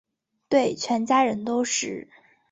对全家人都是